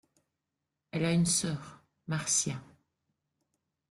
Elle a une sœur, Marcia.